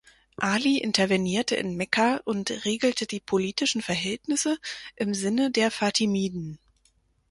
Ali intervenierte in Mekka und regelte die politischen Verhältnisse im Sinne der Fatimiden.